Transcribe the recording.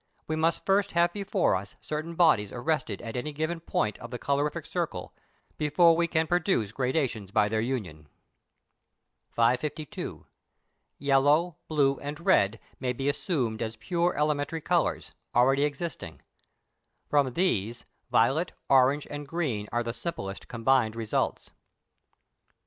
We must first have before us certain bodies arrested at any given point of the colorific circle, before we can produce gradations by their union. 552. Yellow, blue, and red, may be assumed as pure elementary colours, already existing; from these, violet, orange, and green, are the simplest combined results.